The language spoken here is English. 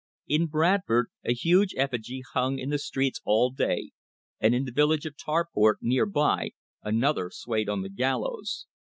In Bradford a huge effigy hung in the streets all day, and in the village of Tarport, near by, another swayed on the gal lows.